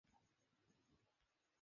খুব সুন্দর ঘ্রাণ আসে।